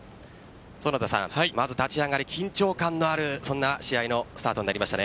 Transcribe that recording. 園田さん、まず立ち上がり緊張感のある試合のスタートになりましたね。